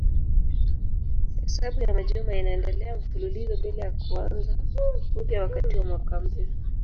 Hesabu ya majuma inaendelea mfululizo bila ya kuanza upya wakati wa mwaka mpya.